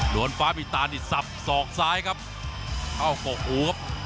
ฟ้ามีตานี่สับสอกซ้ายครับเข้ากกหูครับ